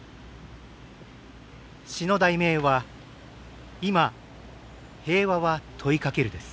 詩の題名は「今、平和は問いかける」です。